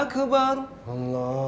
kusir syetan syetan itu